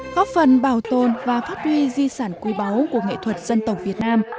góp phần bảo tồn và phát huy di sản quý báu của nghệ thuật dân tộc việt nam